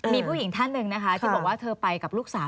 มีผู้หญิงท่านหนึ่งนะคะที่บอกว่าเธอไปกับลูกสาว